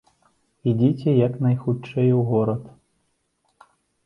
Ідзіце як найхутчэй у горад.